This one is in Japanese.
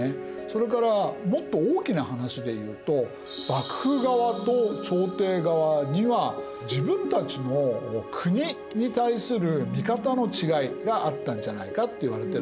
それからもっと大きな話でいうと幕府側と朝廷側には自分たちの国に対する見方の違いがあったんじゃないかといわれてるんですね。